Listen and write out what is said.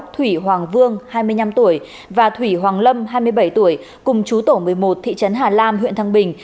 thủy hoàng vương hai mươi năm tuổi và thủy hoàng lâm hai mươi bảy tuổi cùng chú tổ một mươi một thị trấn hà lam huyện thăng bình